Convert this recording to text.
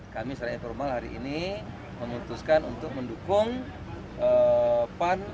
kami secara informal hari ini memutuskan untuk mendukung pan